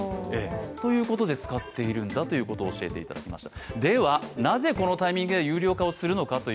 ということで、使っているんだということを教えていただきました。